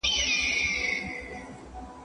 د دوی لارښووني په پام کي ونیسئ.